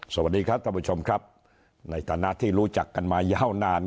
สวัสดีครับท่านผู้ชมครับในฐานะที่รู้จักกันมายาวนาน